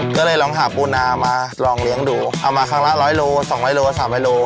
ก็เลยหาปูนามาลองเลี้ยงดูเอามาครั้งละ๑๐๐รูพบ๒๐๐รู๓๐๐รู